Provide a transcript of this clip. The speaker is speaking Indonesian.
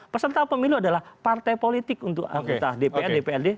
peserta pemilu adalah partai politik untuk anggota dpr dprd